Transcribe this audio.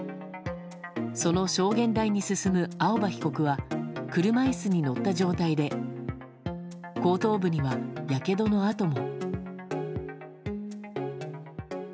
その証言台に進む青葉被告は車椅子に乗った状態で後頭部には、やけどの痕も。